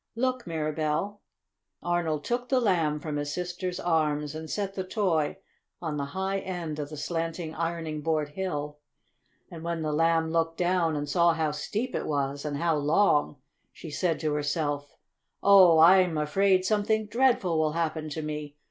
Look, Mirabell!" Arnold took the Lamb from his sister's arms and set the toy on the high end of the slanting ironing board hill. And when the Lamb looked down, and saw how steep it was, and how long, she said to herself: "Oh, I'm afraid something dreadful will happen to me!